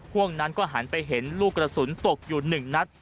ห่วงนั้นก็หันไปเห็นลูกกระสุนตกอยู่๑นัด